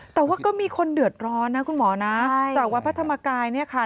แต่ว่าก็มีคนเดือดร้อนนะคุณหมอนะจากวัดพระธรรมกายเนี่ยค่ะ